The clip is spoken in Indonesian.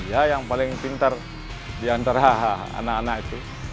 dia yang paling pintar diantara anak anak itu